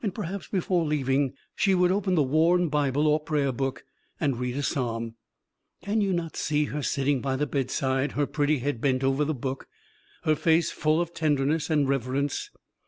Perhaps before leaving she would open the worn Bible or prayer book, and read a psalm; can you not see her sitting by the bedside, her pretty head bent over the book, her face full of tenderness and reverence?